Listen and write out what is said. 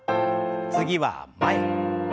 次は前。